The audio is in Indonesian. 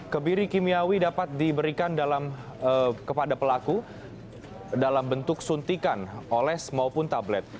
kebiri kimiawi dapat diberikan kepada pelaku dalam bentuk suntikan oles maupun tablet